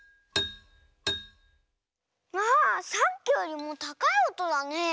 あさっきよりもたかいおとだね。